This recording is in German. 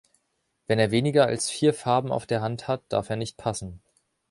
Wenn er weniger als vier Farben auf der Hand hat, darf er nicht passen.